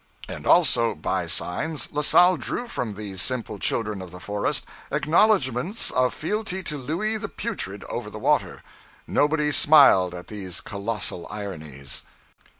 And also, by signs, La Salle drew from these simple children of the forest acknowledgments of fealty to Louis the Putrid, over the water. Nobody smiled at these colossal ironies.